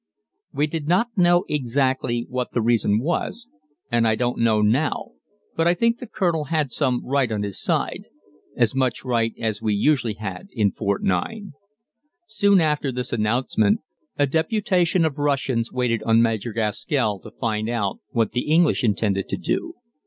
We did not know exactly what the reason was, and I don't know now, but I think the Colonel had some right on his side as much right as we usually had in Fort 9. Soon after this announcement a deputation of Russians waited on Major Gaskell to find out what the English intended to do.